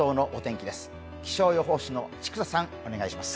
気象予報士の千種さん、お願いします。